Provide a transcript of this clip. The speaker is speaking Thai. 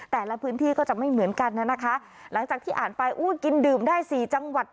แต่ละพื้นที่ก็จะไม่เหมือนกันน่ะนะคะหลังจากที่อ่านไปอุ้ยกินดื่มได้สี่จังหวัด